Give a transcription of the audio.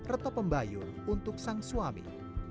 retop pembayun untuk sang suami